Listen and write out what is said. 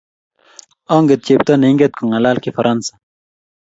onget chepto neinget kong'alal kifaransa